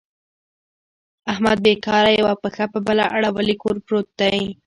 احمد بېکاره یوه پښه په بله اړولې کور پورت دی.